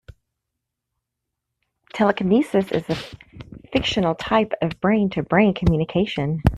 Telekinesis is a fictional type of brain to brain communication.